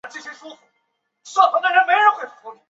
把身上穿的羽绒外套收起来